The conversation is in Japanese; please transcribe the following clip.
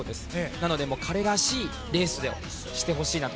なので、彼らしいレースをしてほしいなと。